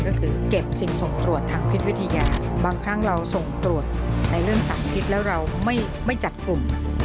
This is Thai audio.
ก็คือเก็บสิ่งส่งตรวจทางพิษวิทยาบางครั้งเราส่งตรวจในเรื่องสารพิษแล้วเราไม่จัดกลุ่ม